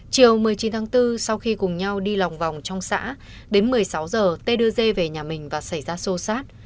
chiều một mươi chín tháng bốn sau khi cùng nhau đi lòng vòng trong xã đến một mươi sáu giờ tê đưa dê về nhà mình và xảy ra sô sát